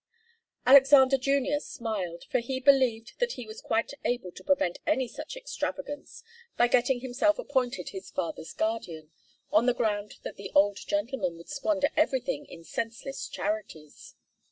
Alexander Junior smiled, for he believed that he was quite able to prevent any such extravagance by getting himself appointed his father's guardian, on the ground that the old gentleman would squander everything in senseless charities.